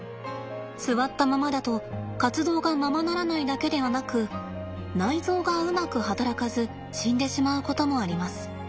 座ったままだと活動がままならないだけではなく内臓がうまく働かず死んでしまうこともあります。